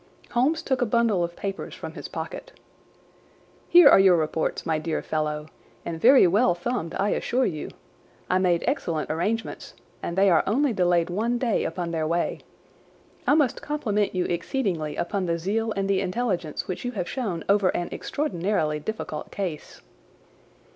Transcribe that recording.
Holmes took a bundle of papers from his pocket. "Here are your reports, my dear fellow, and very well thumbed, I assure you. I made excellent arrangements, and they are only delayed one day upon their way. I must compliment you exceedingly upon the zeal and the intelligence which you have shown over an extraordinarily difficult case."